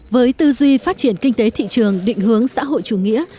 với tư duy phát triển kinh tế thị trường định hướng xã hội chủ nghĩa